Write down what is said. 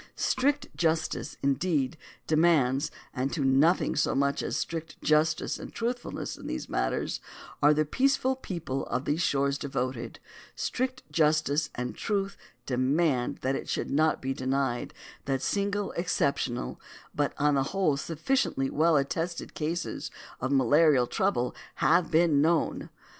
Strict justice, indeed, demands and to nothing so much as strict justice and truthfulness in these matters are the peaceful people of those shores devoted strict justice and truth demand that it should not be denied that single, exceptional, but upon the whole sufficiently well attested cases of malarial trouble have been known.